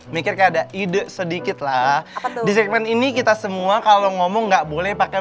mikir keada ide sedikit lah disekmen ini kita semua kalau ngomong nggak boleh pakai